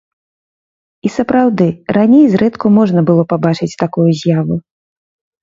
І сапраўды, раней зрэдку можна было пабачыць такую з'яву.